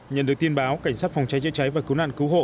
nhận được tin báo cảnh sát phòng cháy chữa cháy và cứu nạn cứu hộ